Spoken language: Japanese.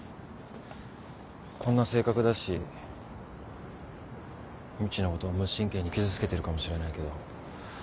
こんな性格だしみちのこと無神経に傷つけてるかもしれないけど。